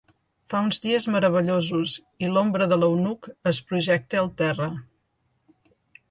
Fa uns dies meravellosos i l'ombra de l'eunuc es projecta al terra.